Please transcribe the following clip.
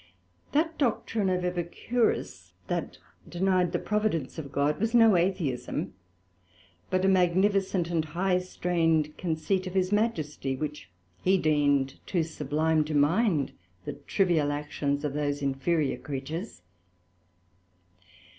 That doctrine of Epicurus, that denied the Providence of God, was no Atheism, but a magnificent and high strained conceit of his Majesty, which he deemed too sublime to mind the trivial Actions of those inferiour Creatures.